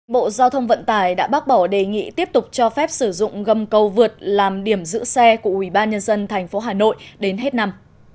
bộ giao thông vận tải đã bác bỏ đề nghị tiếp tục cho phép sử dụng gâm cầu vượt làm điểm giữ xe của ubnd tp hà nội đến hết năm